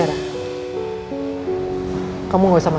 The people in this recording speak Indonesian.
tentang pengawasan radit